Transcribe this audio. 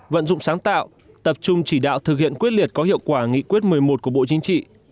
vận dụng sáng tạo tập trung chỉ đạo thực hiện quyết liệt có hiệu quả nghị quyết một mươi một của bộ chính trị